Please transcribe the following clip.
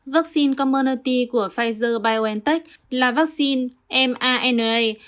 vaccine community của pfizer biontech là vaccine mrna